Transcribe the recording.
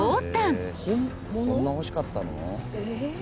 そんな欲しかったの？